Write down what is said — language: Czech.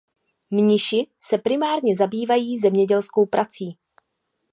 Mniši se primárně zabývají zemědělskou prací.